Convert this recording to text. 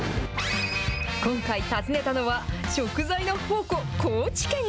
今回訪ねたのは、食材の宝庫、高知県。